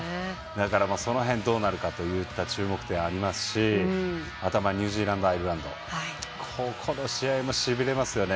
だから、その辺、どうなるかという注目点ありますしニュージーランド、アイルランドここの試合もしびれますよね。